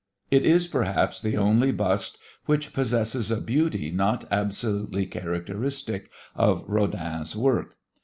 It is, perhaps, the only bust which possesses a beauty not absolutely characteristic of Rodin's work.